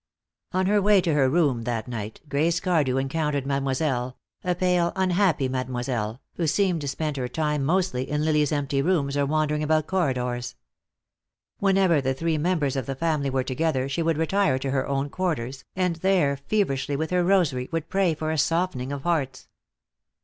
On her way to her room that night Grace Cardew encountered Mademoiselle, a pale, unhappy Mademoiselle, who seemed to spend her time mostly in Lily's empty rooms or wandering about corridors. Whenever the three members of the family were together she would retire to her own quarters, and there feverishly with her rosary would pray for a softening of hearts.